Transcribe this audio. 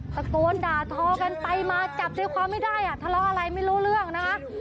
ตะโกนด่าทอกันไปมาจับใจความไม่ได้อ่ะทะเลาะอะไรไม่รู้เรื่องนะคะ